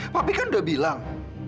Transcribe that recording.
papi kan udah bilang